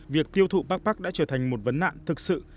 việc tiêu thụ pac pac đã trở thành một vấn nạn thực sự